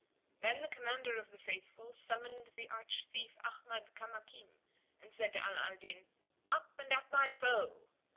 Then the Commander of the Faithful summoned the arch thief Ahmad Kamakim and said to Ala al Din, "Up and at thy foe!"